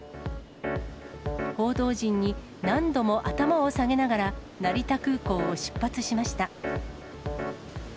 報道陣に何度も頭を下げながら、成田空港を出発しました。